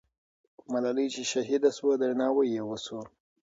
ملالۍ چې شهیده سوه، درناوی یې وسو.